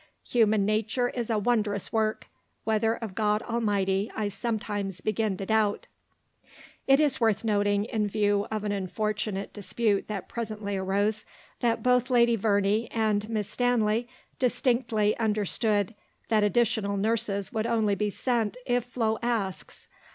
Human nature is a wondrous work, whether of God Almighty I sometimes begin to doubt." It is worth noting, in view of an unfortunate dispute that presently arose, that both Lady Verney and Miss Stanley distinctly understood that additional nurses would only be sent "if Flo asks."